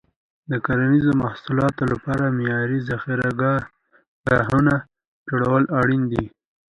د کرنیزو محصولاتو لپاره معیاري ذخیره ګاهونه جوړول اړین دي.